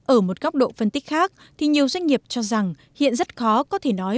ở một góc độ phân tích khác thì nhiều doanh nghiệp cho rằng hiện rất khó có thể nói